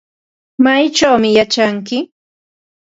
¿Maychawmi yachanki?